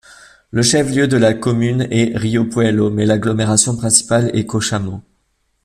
Le chef-lieu de la commune est Río Puelo mais l'agglomération principale est Cochamó.